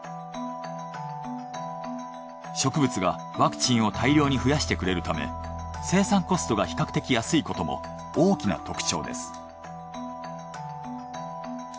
植物がワクチンを大量に増やしてくれるため生産コストが比較的安いことも大きな特徴です。